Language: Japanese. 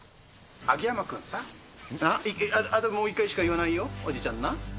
秋山君さ、あともう一回しか言わないよ、おじちゃんな。